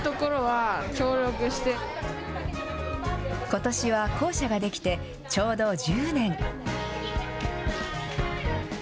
ことしは校舎が出来てちょうど１０年。